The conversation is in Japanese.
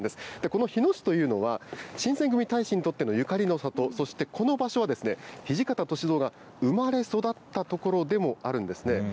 この日野市というのは、新撰組隊士にとってのゆかりの里、そして、この場所は土方歳三が生まれ育った所でもあるんですね。